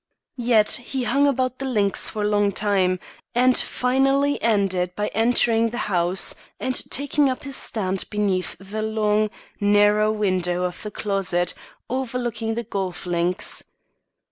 Yet he hung about the links for a long time, and finally ended by entering the house, and taking up his stand beneath the long, narrow window of the closet overlooking the golf links.